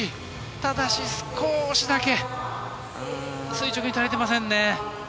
ただし、少しだけ垂直に足りていませんね。